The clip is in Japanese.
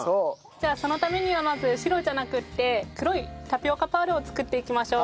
じゃあそのためにはまず白じゃなくって黒いタピオカパールを作っていきましょう。